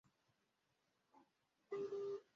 Umuhanda ugira urundi ruhare rukomeye